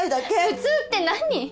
普通って何？